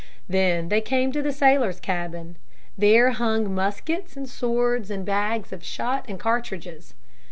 Then they came to the sailors' cabin. There hung muskets and swords and bags of shot and cartridges.